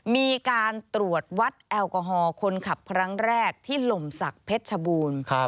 มีการตรวจวัดแอลกอฮอล์คนขับครั้งแรกที่หล่มศักดิ์เพชรชบูรณ์